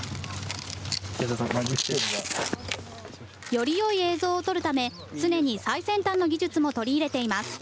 よりよい映像を撮るため、常に最先端の技術も取り入れています。